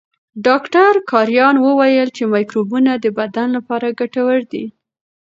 ډاکټر کرایان وویل چې مایکروبونه د بدن لپاره ګټور دي.